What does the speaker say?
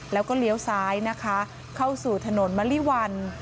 แล้วก็เลี้ยวซ้ายนะคะเข้าสู่ถนนมะลิวัน